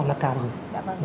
nó cao hơn